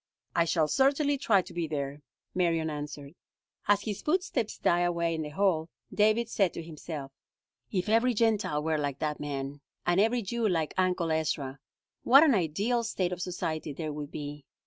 "I shall certainly try to be there," Marion answered. As his footsteps died away in the hall, David said to himself: "If every Gentile were like that man, and every Jew like Uncle Ezra, what an ideal state of society there would be!